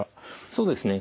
そうですね。